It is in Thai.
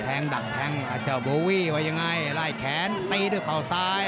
ดังแท้งอาจารย์โบวี่ไว้ยังไงลายแขนตีด้วยเขาซ้าย